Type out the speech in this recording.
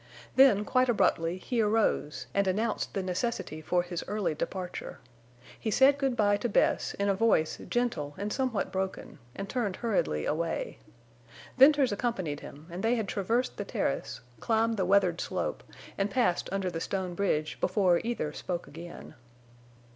Then, quite abruptly, he arose and announced the necessity for his early departure. He said good by to Bess in a voice gentle and somewhat broken, and turned hurriedly away. Venters accompanied him, and they had traversed the terrace, climbed the weathered slope, and passed under the stone bridge before either spoke again.